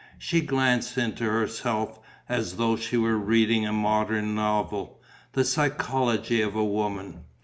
She glanced into herself, as though she were reading a modern novel, the psychology of a woman.